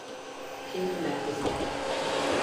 Şehir merkezine.